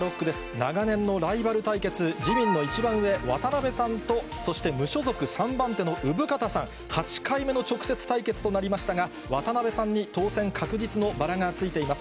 長年のライバル対決、自民の一番上、渡辺さんと、そして無所属３番手の生方さん、８回目の直接対決となりましたが、渡辺さんに当選確実のバラがついています。